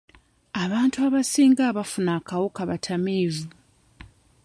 Abantu abasinga abaafuna akawuka batamiivu.